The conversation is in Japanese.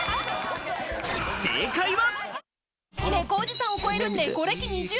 正解は。